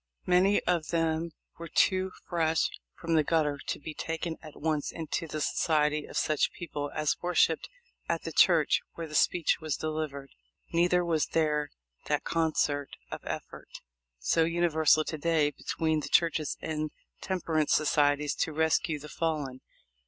Many of them were too fresh from the gutter to be taken at once into the society of such people as worshipped at the church where the speech was delivered. Neither was there that concert of effort so universal to day between the churches and temperance societies to rescue the fallen.